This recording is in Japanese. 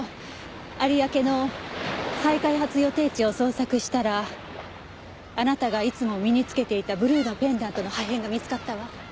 有明の再開発予定地を捜索したらあなたがいつも身に着けていたブルーのペンダントの破片が見付かったわ。